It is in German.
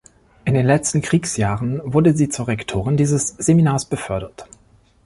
In den letzten Kriegsjahren wurde sie zur Rektorin dieses Seminars befördert.